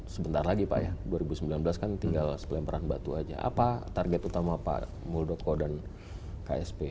sebentar lagi pak ya dua ribu sembilan belas kan tinggal sepelemparan batu aja apa target utama pak muldoko dan ksp